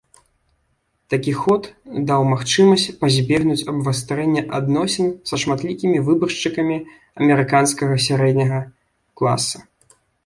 Такі ход даў магчымасць пазбегнуць абвастрэння адносін са шматлікімі выбаршчыкамі амерыканскага сярэдняга класа.